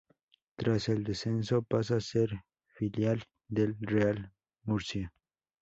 Tras el descenso pasa a ser filial del Real Murcia.